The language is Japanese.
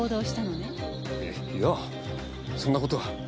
いやそんな事は。